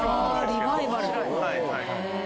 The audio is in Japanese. リバイバル。